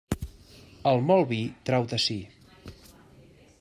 El molt vi trau de si.